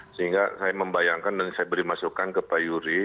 sehingga saya membayangkan dan saya beri masukan ke pak yuri